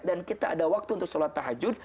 dan kita ada waktu untuk salat tahajud